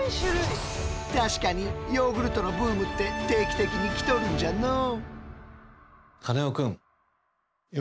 確かにヨーグルトのブームって定期的に来とるんじゃのう。